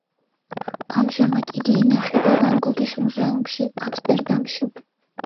ამჟამად იგი ინახება ვან გოგის მუზეუმში, ამსტერდამში.